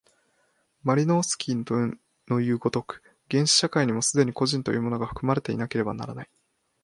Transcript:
マリノースキイのいう如く、原始社会にも既に個人というものが含まれていなければならない。